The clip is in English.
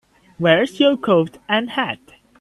Where's your coat and hat?